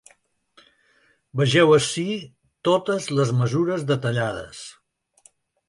Vegeu ací totes les mesures detallades.